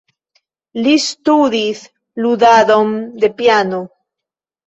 Li ŝtudis ludadon de piano.